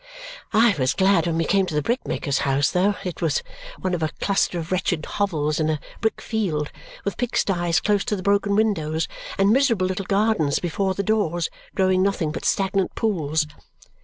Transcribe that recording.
I was glad when we came to the brickmaker's house, though it was one of a cluster of wretched hovels in a brick field, with pigsties close to the broken windows and miserable little gardens before the doors growing nothing but stagnant pools.